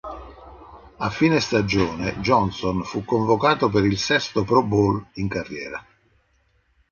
A fine stagione, Johnson fu convocato per il sesto Pro Bowl in carriera.